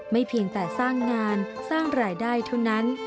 เพียงแต่สร้างงานสร้างรายได้เท่านั้น